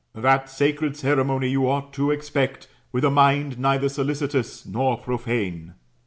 That sacred ceremony you ought to expect, with a mind neither solicitous nor profane.